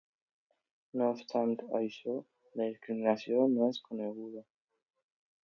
No obstant això, la discriminació no és desconeguda.